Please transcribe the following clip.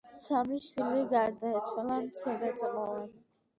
სამი შვილი გარდაეცვალა მცირეწლოვანი.